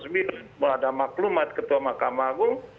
sudah ada maklumat ketua mahkamah agung